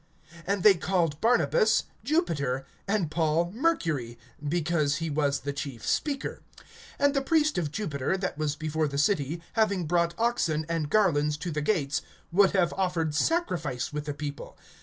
(12)And they called Barnabas, Jupiter; and Paul, Mercury, because he was the chief speaker. (13)And the priest of Jupiter, that was before the city, having brought oxen and garlands to the gates, would have offered sacrifice with the people.